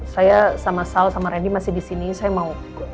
saya sama sal sama randy masih di sini saya mau